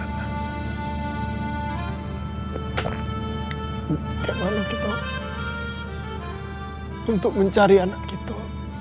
gimana kita untuk mencari anak gitu